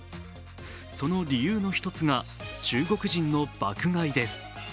その理由の一つが中国人の爆買いです。